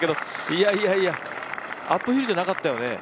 いやいやいや、アップヒルじゃなかったよね。